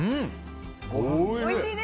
おいしい。